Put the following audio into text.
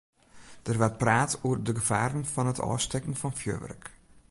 Der waard praat oer de gefaren fan it ôfstekken fan fjurwurk.